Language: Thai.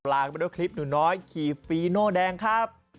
ลายไปด้วยคลิปหนูน้อยขี่ฟีโน่แดงครับ